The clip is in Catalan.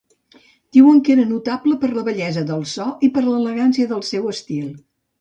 Diuen que era notable per la bellesa del so i per l'elegància del seu estil.